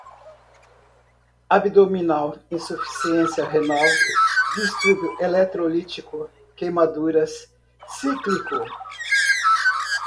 abdominal, insuficiência renal, distúrbio eletrolítico, queimaduras, cíclico